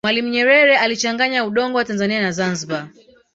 mwalimu nyerere alichanganya udongo wa tanzania na zanzibar